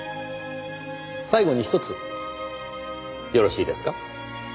最後にひとつよろしいですか？